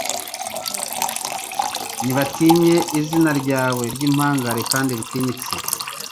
Nibarate izina ryawe ry’impangare kandi ritinyitse